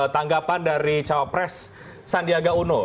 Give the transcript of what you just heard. tanggapan dari cawapres sandiaga uno